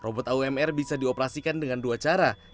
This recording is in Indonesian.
robot aumr bisa dioperasikan dengan dua cara